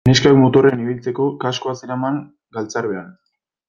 Neskak motorrean ibiltzeko kaskoa zeraman galtzarbean.